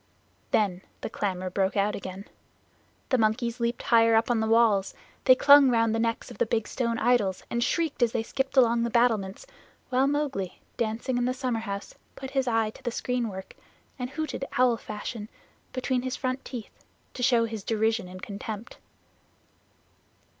Then the clamor broke out again. The monkeys leaped higher up the walls. They clung around the necks of the big stone idols and shrieked as they skipped along the battlements, while Mowgli, dancing in the summerhouse, put his eye to the screenwork and hooted owl fashion between his front teeth, to show his derision and contempt.